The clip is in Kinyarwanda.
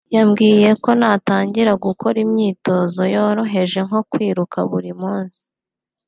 yambwiye ko natangira gukora imyitozo yoroheje nko kwiruka buri munsi